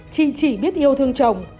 chị chỉ biết yêu thương chồng